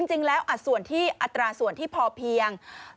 จริงแล้วอัตราส่วนที่พอเพียง